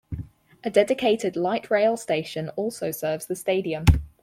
A dedicated light rail station also serves the stadium.